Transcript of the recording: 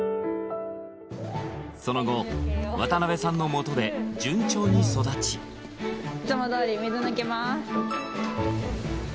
その後渡辺さんのもとで順調に育ちいつもどおり水抜きます